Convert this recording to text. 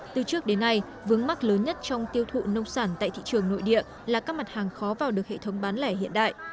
từ trước đến nay vướng mắt lớn nhất trong tiêu thụ nông sản tại thị trường nội địa là các mặt hàng khó vào được hệ thống bán lẻ hiện đại